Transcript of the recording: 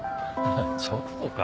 ちょっとか？